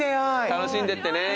楽しんでってね。